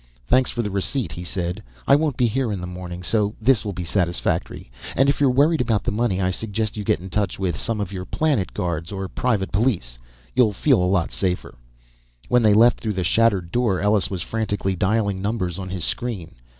"Thanks for the receipt," he said. "I won't be here in the morning so this will be satisfactory. And if you're worried about the money I suggest you get in touch with some of your plant guards or private police. You'll feel a lot safer." When they left through the shattered door Ellus was frantically dialing numbers on his screen.